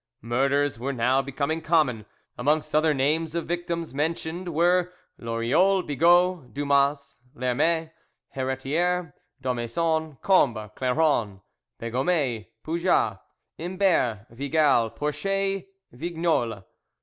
Murders were now becoming common. Amongst other names of victims mentioned were Loriol, Bigot, Dumas, Lhermet, Heritier, Domaison, Combe, Clairon, Begomet, Poujas, Imbert, Vigal, Pourchet, Vignole.